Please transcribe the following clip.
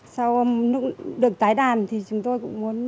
sau được tái đàn thì chúng tôi cũng mong muốn là